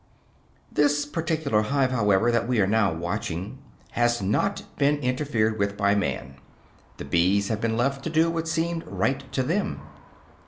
This particular hive, however, that we are now watching, has not been interfered with by man; the bees have been left to do what seemed right to them.